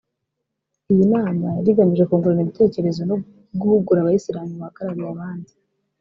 Iyi nama yari igamije kungurana ibitekerezo no guhugura abayisilamu bahagarariye abandi